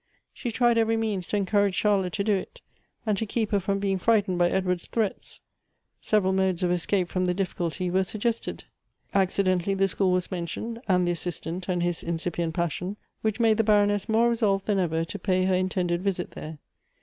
She tried every means to encourage Charlotte to do it, and to keep her from being frightened by Edward's threats. Several modes of escape from the difficulty were suggested. Accidentally the school was mentioned, and the Assistant and his incipient passion, which made the Baroness more resolved than ever to pay her intended visit there.